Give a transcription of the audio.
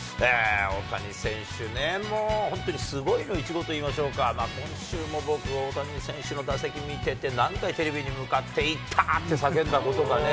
大谷選手ね、本当にすごいの一語といいましょうか、今週も僕、大谷選手の打席見てて、何回テレビに向かって、いったーって叫んだことかね。